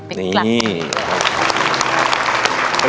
เป๊กกลับไป